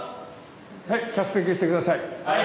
着席して下さい。